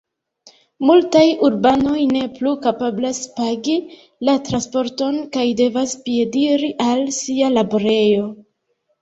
Multaj urbanoj ne plu kapablas pagi la transporton kaj devas piediri al sia laborejo.